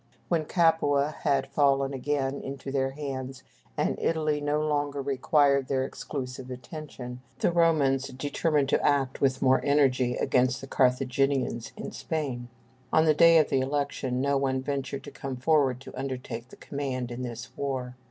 When Capua had fallen again into their hands, and Italy no longer required their exclusive attention, the Romans determined to act with more energy against the Carthaginians in Spain. On the day of the election, no one ventured to come forward to undertake the command in this war.